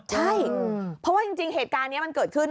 ใช่เพราะว่าจริงเหตุการณ์นี้มันเกิดขึ้น